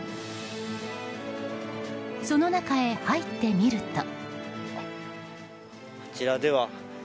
その中へ入ってみると。